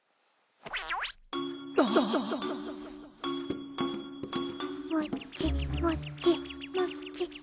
ああっ！もっちもっちもっち。